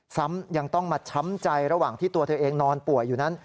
ซ้ำยังต้องมาช้ำใจระหว่างที่ตัวเธอเองนอนป่วยอยู่นั้น